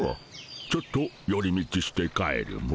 ちょっとより道して帰るモ。